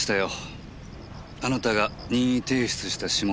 あなたが任意提出した指紋と。